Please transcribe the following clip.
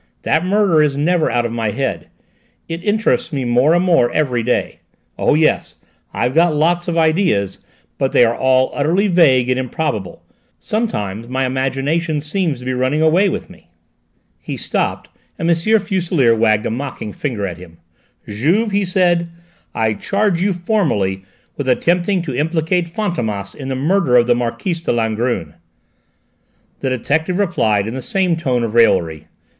That murder is never out of my head; it interests me more and more every day. Oh, yes, I've got lots of ideas, but they are all utterly vague and improbable: sometimes my imagination seems to be running away with me." He stopped, and M. Fuselier wagged a mocking finger at him. "Juve," he said, "I charge you formally with attempting to implicate Fantômas in the murder of the Marquise de Langrune!" The detective replied in the same tone of raillery.